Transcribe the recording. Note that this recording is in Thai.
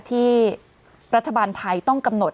ที่รัฐบาลไทยต้องกำหนด